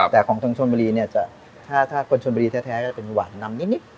แต่ของทางชนบุรีเนี่ยถ้าคนชนบุรีแท้จะเป็นหวานนำนิด